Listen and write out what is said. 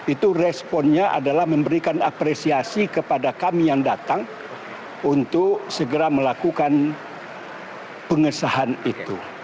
itu responnya adalah memberikan apresiasi kepada kami yang datang untuk segera melakukan pengesahan itu